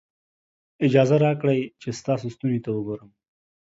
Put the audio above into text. اجازه راکړئ چې ستا ستوني ته وګورم.